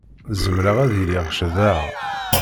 Zemreɣ ad iliɣ ccḍeɣ.